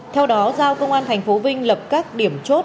theo đó giao công an thành phố vinh lập các điểm chốt